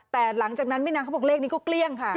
แต่หลังจากนั้นไม่นานเขาบอกเลขนี้ก็เกลี้ยงค่ะ